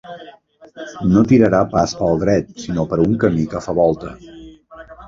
No tirarà pas pel dret sinó per un camí que fa volta.